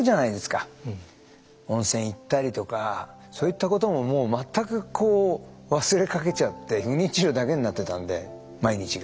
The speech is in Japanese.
温泉行ったりとかそういったことももう全くこう忘れかけちゃって不妊治療だけになってたんで毎日が。